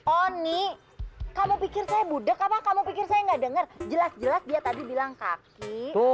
oh nih kamu pikir saya budakin kamu pikir saya nggak denger jelas jelas dia io